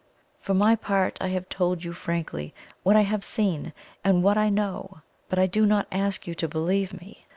For my own part, I have told you frankly WHAT I HAVE SEEN and WHAT I KNOW; but I do not ask you to believe me.